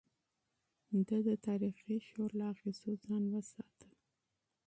ده د تاريخي شور له اغېزو ځان وساته.